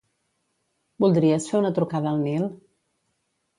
Voldries fer una trucada al Nil?